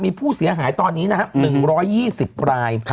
มีผู้เสียหายตอนนี้นะครับ๑๒๐ราย